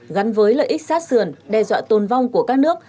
gắn với lợi ích sát sườn đe dọa tồn vong của các nước